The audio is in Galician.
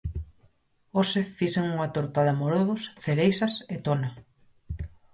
Hoxe fixen unha torta de amorodos, cereixas e tona